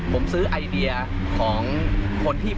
ผมซื้อไอเดียของคนที่